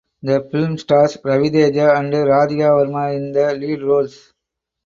The film stars Ravi Teja and Radhika Varma in the lead roles.